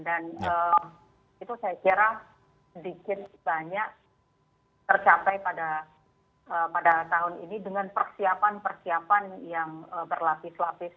dan itu saya kira sedikit banyak tercapai pada tahun ini dengan persiapan persiapan yang berlapis lapis